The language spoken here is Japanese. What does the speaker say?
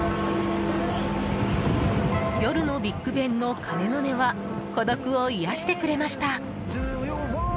夜のビッグベンの鐘の音は孤独を癒やしてくれました。